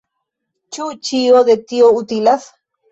Ĉu ĉio de tio utilas?